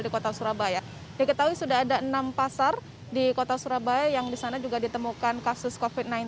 diketahui sudah ada enam pasar di kota surabaya yang disana juga ditemukan kasus covid sembilan belas